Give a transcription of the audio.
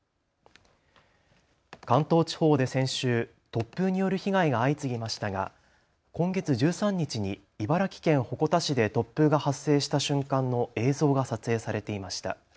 関東地方で先週、突風による被害が相次ぎましたが今月１３日に茨城県鉾田市で突風が発生した瞬間の映像が撮影されていました。